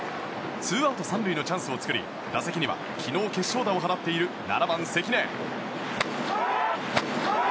ツーアウト３塁のチャンスを作り打席には昨日、決勝打を放っている７番、関根。